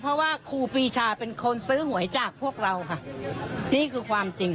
เพราะว่าครูปีชาเป็นคนซื้อหวยจากพวกเราค่ะนี่คือความจริง